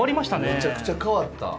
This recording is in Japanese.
めちゃくちゃ変わった。